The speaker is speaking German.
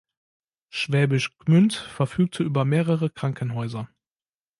Schwäbisch Gmünd verfügte über mehrere Krankenhäuser.